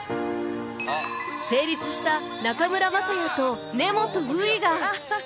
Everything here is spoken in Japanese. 成立した中村昌也と根本羽衣が